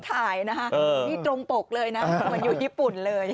ถ่ายนะคะนี่ตรงปกเลยนะเหมือนอยู่ญี่ปุ่นเลย